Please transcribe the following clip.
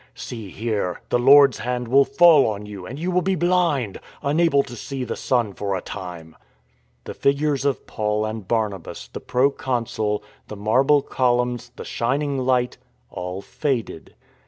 " See here, the Lord's hand will fall on you and you will be blind, unable to see the sun for a time." The figures of Paul and Barnabas, the proconsul, the marble columns, the shining light — all faded.